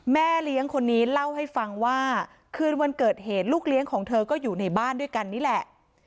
แม่เลี้ยงคนนี้เล่าให้ฟังว่าคืนวันเกิดเหตุลูกเลี้ยงของเธอก็อยู่ในบ้านด้วยกันนี่แหละ